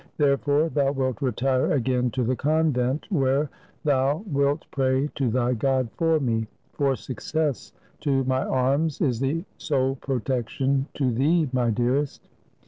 Therefore, thou wilt retire again to the convent, where thou wilt pray to thy God for me, for success to my arms is the sole protection to thee, my dearest.